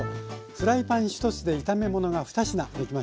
フライパン１つで炒め物が２品できました。